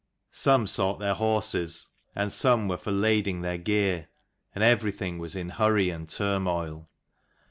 Some sought their horses, and some were for lading their gear: and everything was in hurry and turmoil.